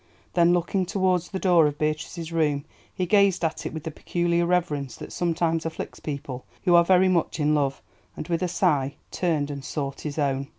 Then looking towards the door of Beatrice's room, he gazed at it with the peculiar reverence that sometimes afflicts people who are very much in love, and, with a sigh, turned and sought his own.